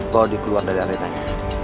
kalau dia keluar dari arenanya